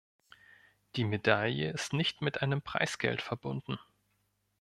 Die Medaille ist nicht mit einem Preisgeld verbunden.